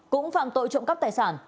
cũng phạm tội trộm cấp tài sản